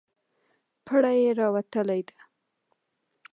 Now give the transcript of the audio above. بړۍ یې راوتلې ده.